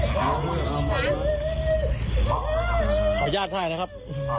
ขออนุญาตให้นะครับ